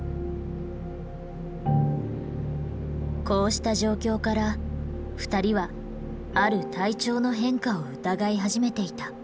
こうした状況から二人はある体調の変化を疑い始めていた。